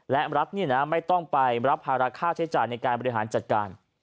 และรัฐไม่ต้องไปรับภาระค่าใช้จ่ายในการบริหารจัดการ